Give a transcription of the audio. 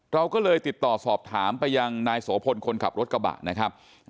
เราก็เลยติดต่อสอบถามไปยังนายโสพลคนขับรถกระบะนะครับ